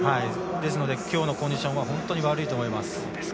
ですのできょうのコンディションは本当に悪いと思います。